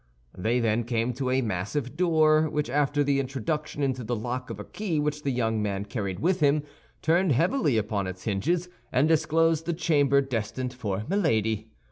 They then came to a massive door, which after the introduction into the lock of a key which the young man carried with him, turned heavily upon its hinges, and disclosed the chamber destined for Milady.